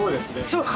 そう。